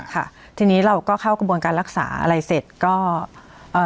ค่ะทีนี้เราก็เข้ากระบวนการรักษาอะไรเสร็จก็เอ่อ